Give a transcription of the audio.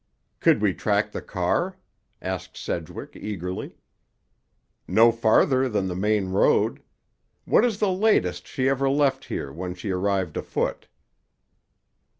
"Could we track the car?" asked Sedgwick eagerly. "No farther than the main road. What is the latest she ever left here, when she arrived afoot?"